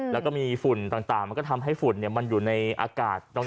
แล้วก็มีฝุ่นต่างมันก็ทำให้ฝุ่นมันอยู่ในอากาศ